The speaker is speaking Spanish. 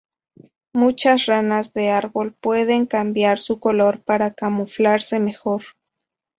Muchas ranas de árbol pueden cambiar su color para camuflarse mejor.